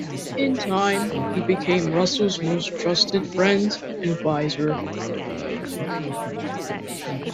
In time, he became Russell's most trusted friend and advisor.